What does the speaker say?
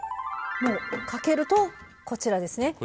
もうかけるとこちらですね。